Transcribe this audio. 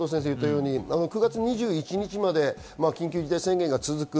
９月２１日まで緊急事態宣言が続く。